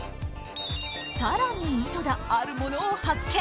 更に井戸田、あるものを発見。